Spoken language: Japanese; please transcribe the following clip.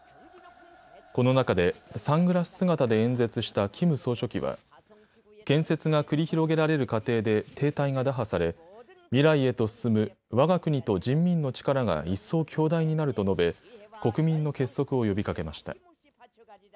この中でサングラス姿で演説したキム総書記は建設が繰り広げられる過程で停滞が打破され未来へと進むわが国と人民の力が一層強大になると述べ国民の結束を呼びかけました。